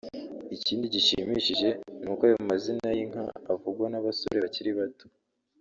Ikindi gishimishije ni uko ayo mazina y’inka avugwa n’abasore bakiri bato